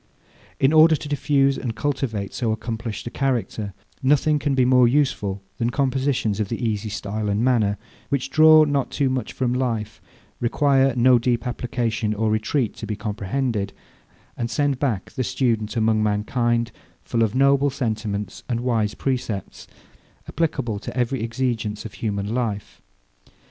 In order to diffuse and cultivate so accomplished a character, nothing can be more useful than compositions of the easy style and manner, which draw not too much from life, require no deep application or retreat to be comprehended, and send back the student among mankind full of noble sentiments and wise precepts, applicable to every exigence of human life.